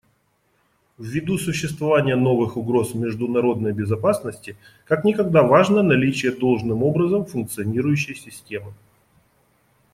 Ввиду существования новых угроз международной безопасности как никогда важно наличие должным образом функционирующей системы.